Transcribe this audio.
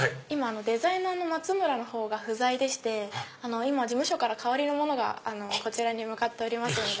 デザイナーの松村の方が不在でして事務所から代わりの者がこちらに向かっておりますので。